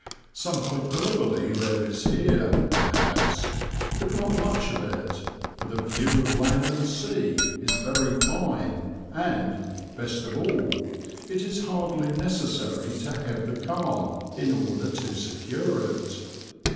Some hyperbole there is here, perhaps, but not much of it, for the view of land and sea is very fine and, best of all, it is hardly necessary to have the car in order to secure it.